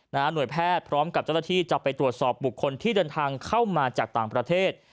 หน่วยแพทย์พร้อมกับเจ้าหน้าที่จะไปตรวจสอบบุคคลที่เดินทางเข้ามาจากต่างประเทศ